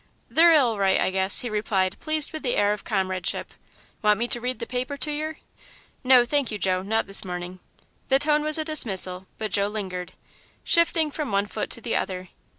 "They're ill right, I guess," he replied, pleased with the air of comradeship. "Want me to read the paper to yer?" "No, thank you, Joe, not this morning." The tone was a dismissal, but Joe lingered, shifting from one foot to the other.